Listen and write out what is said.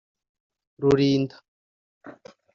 Rulinda